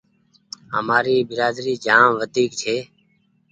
همآري برآدري جآم وڍيڪ ڇي۔